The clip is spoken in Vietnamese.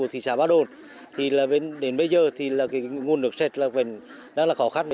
thị xã ba đồn đến bây giờ nguồn nước sạch đang là khó khăn